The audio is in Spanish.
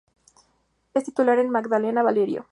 Su titular es Magdalena Valerio.